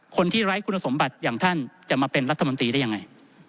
ไร้คุณสมบัติอย่างท่านจะมาเป็นรัฐมนตรีได้ยังไง